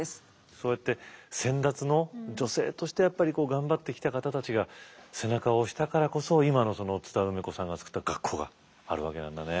そうやって先達の女性として頑張ってきた方たちが背中を押したからこそ今の津田梅子さんが作った学校があるわけなんだね。